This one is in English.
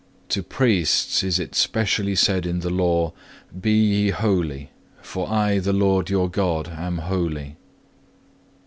To priests is it specially said in the Law, _Be ye holy, for I the Lord your God am holy.